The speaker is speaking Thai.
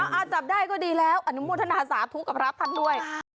นะเอาจับได้ก็ดีแล้วอนุมูลธนาศาสตร์ทุกกับพระพันธ์ด้วย